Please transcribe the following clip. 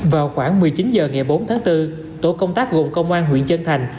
vào khoảng một mươi chín h ngày bốn tháng bốn tổ công tác gồm công an huyện chân thành